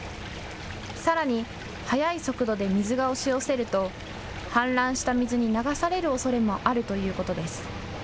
さらに速い速度で水が押し寄せると氾濫した水に流されるおそれもあるということです。